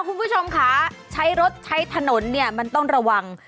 คุณผู้ชมค่ะใช้รถใช้ถนนเนี่ยมันต้องระวัง